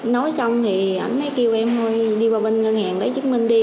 nói xong thì ảnh mới kêu em thôi đi qua bên ngân hàng lấy chứng minh đi